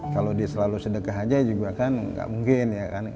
kalau dia selalu sedekah aja juga kan nggak mungkin ya kan